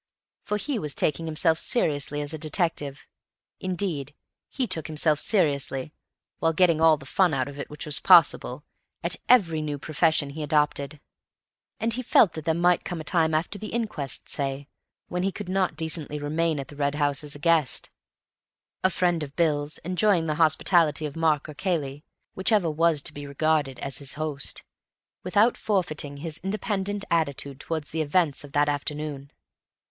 For he was taking himself seriously as a detective; indeed, he took himself seriously (while getting all the fun out of it which was possible) at every new profession he adopted; and he felt that there might come a time—after the inquest—say when he could not decently remain at the Red House as a guest, a friend of Bill's, enjoying the hospitality of Mark or Cayley, whichever was to be regarded as his host, without forfeiting his independent attitude towards the events of that afternoon.